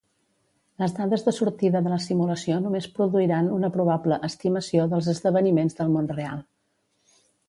Les dades de sortida de la simulació només produiran una probable "estimació" dels esdeveniments del món real.